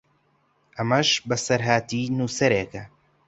ئەمەش بەسەرهاتی نووسەرێکە